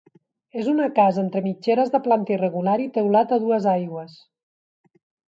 És una casa entre mitgeres de planta irregular i teulat a dues aigües.